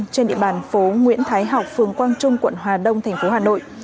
trên địa bàn phố nguyễn thái học phường quang trung quận hà đông thành phố hà nội